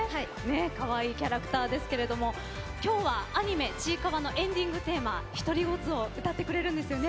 かわいいキャラクターですが今日はアニメ「ちいかわ」のエンディングテーマ「ひとりごつ」を歌ってくれるんですよね。